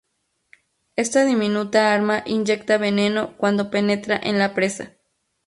Esta diminuta arma inyecta veneno cuando penetra en la presa.